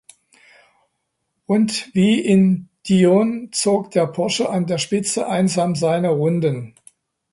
Und wie in Dijon zog der Porsche an der Spitze einsam seine Runden.